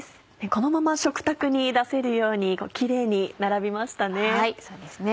このまま食卓に出せるようにキレイに並びましたね。